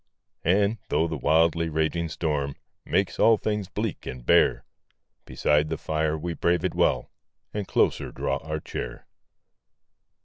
And, though the wildly raging storm Makes all things bleak and bare, Beside the fire we brave it well, And closer draw our chair.